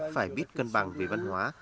phải biết cân bằng về văn hóa